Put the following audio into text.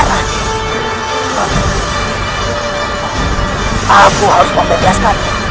aku harus membebaskan